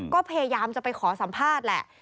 ก็พยายามจะไปขอสำพาสแหละ